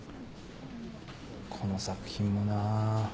この作品もなあ。